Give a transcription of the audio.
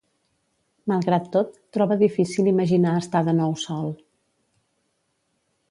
Malgrat tot, troba difícil imaginar estar de nou sol.